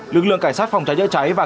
lực lượng cảnh sát phòng cháy cháy cháy và